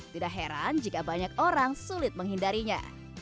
tidak heran jika banyak orang sulit menghindarinya